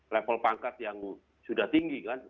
level pangkat yang sudah tinggi kan